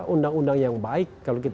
undang undang yang baik